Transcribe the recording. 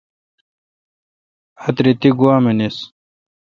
آتری تی گوا منیس۔